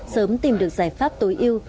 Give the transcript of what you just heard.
sớm tìm được giải pháp tối ưu